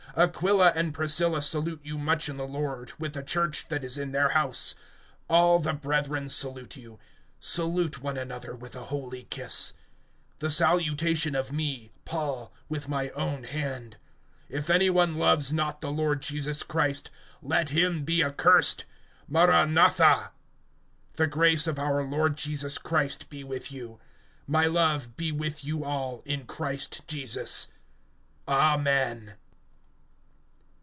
Aquila and Priscilla salute you much in the Lord, with the church that is in their house. (20)All the brethren salute you. Salute one another with a holy kiss. (21)The salutation of me, Paul, with my own hand. (22)If any one loves not the Lord Jesus Christ, let him be accursed. Maran atha[16:22]! (23)The grace of our Lord Jesus Christ be with you. (24)My love be with you all in Christ Jesus. Amen.